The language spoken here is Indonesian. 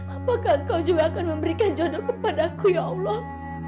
apakah kau juga akan memberikan jodohku padaku ya allah